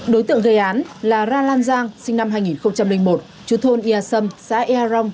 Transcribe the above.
đối tượng gây án là ra lan giang sinh năm hai nghìn một chú thôn ia sâm xã ea rong